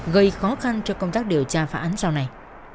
gây khó khăn cho công tác điều tra phá án sau này